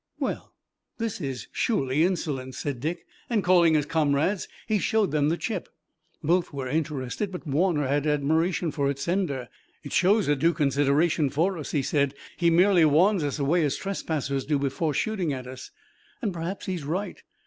"Well, this is surely insolence," said Dick, and calling his comrades he showed them the chip. Both were interested, but Warner had admiration for its sender. "It shows a due consideration for us," he said. "He merely warns us away as trespassers before shooting at us. And perhaps he's right.